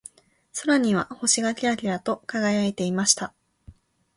空には星がキラキラと輝いていました。